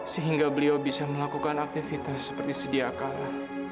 sehingga beliau bisa melakukan aktivitas seperti sediakala